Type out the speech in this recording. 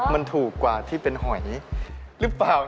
มันถูกกว่าที่เป็นหอยหรือเปล่า